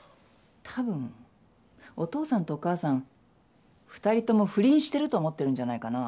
多分お父さんとお母さん２人共不倫してると思ってるんじゃないかな。